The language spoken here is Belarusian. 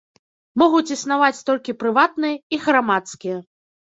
Могуць існаваць толькі прыватныя і грамадскія.